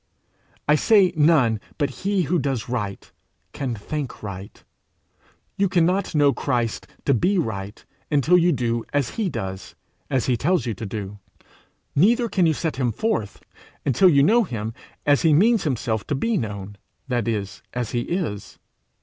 I say none but he who does right, can think right; you cannot know Christ to be right until you do as he does, as he tells you to do; neither can you set him forth, until you know him as he means himself to be known, that is, as he is.